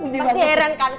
pasti heran kan